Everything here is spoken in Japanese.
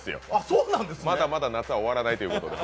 まだまだ夏は終わらないということで。